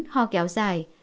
bốn ho kéo dài